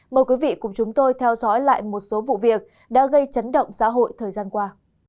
mời quý vị cùng chúng tôi theo dõi lại một số vụ việc đã gây chấn động xã hội thời gian qua